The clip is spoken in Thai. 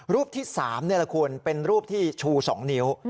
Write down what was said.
รูปที่สามเนี่ยละคุณเป็นรูปที่ชูสองนิ้ว